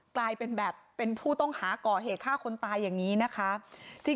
กลายเป็นแบบเป็นผู้ต้องหาก่อเหตุฆ่าคนตายอย่างนี้นะคะ